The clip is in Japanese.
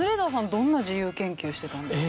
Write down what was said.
どんな自由研究してたんですか？